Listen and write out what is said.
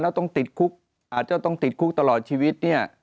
แล้วต้องติดคุกอาจจะต้องติดคุกตลอดชีวิตเนี่ย